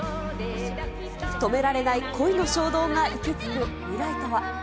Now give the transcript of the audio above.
止められない恋の衝動が行き着く未来とは。